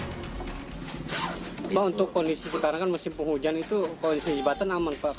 pak untuk kondisi sekarang kan musim penghujan itu kondisi jembatan aman pak